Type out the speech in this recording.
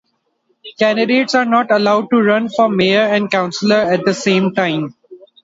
Candidates are not allowed to run for mayor and councillor at the same time.